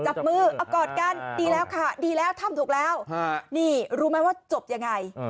จับมือเอากอดกันดีแล้วค่ะดีแล้วทำถูกแล้วนี่รู้ไหมว่าจบยังไง